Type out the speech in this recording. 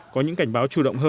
có những cảnh báo chủ động